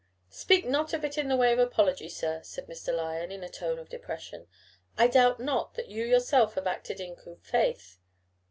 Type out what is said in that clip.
"Speak not of it in the way of apology, sir," said Mr. Lyon, in a tone of depression. "I doubt not that you yourself have acted in good faith.